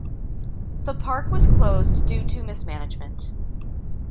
The park was closed due to mismanagement.